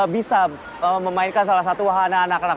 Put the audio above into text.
bisa memainkan salah satu wahana anak anak